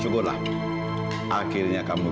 no dulu kita di tanyakan buker